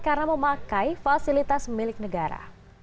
karena memakai fasilitas milik negara